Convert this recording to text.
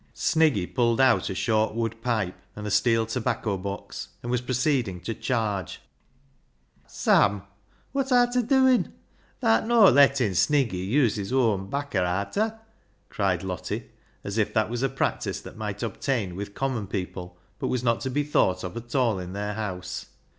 Sniggy pulled out a short wood pipe and a steel tobacco box, and was proceeding to charge. " Sam, wot arta dooin' ? Tha'rt no' lettin' Sniggy use his oan 'bacca, arta ?" cried Lottie, as if that was a practice that might obtain with common people, but was not to be thought of at all in their house.